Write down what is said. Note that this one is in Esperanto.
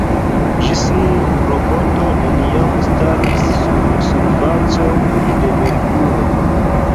Ĝis nun, roboto neniam staris sur surfaco de Merkuro.